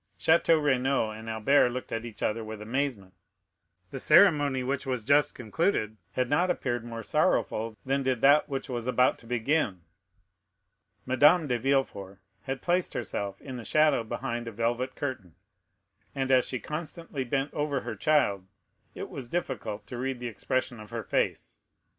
Château Renaud and Albert looked at each other with amazement; the ceremony which was just concluded had not appeared more sorrowful than did that which was about to begin. Madame de Villefort had placed herself in the shadow behind a velvet curtain, and as she constantly bent over her child, it was difficult to read the expression of her face.